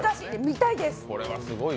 見たいです。